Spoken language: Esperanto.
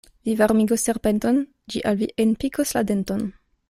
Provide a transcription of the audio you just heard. Vi varmigos serpenton, ĝi al vi enpikos la denton.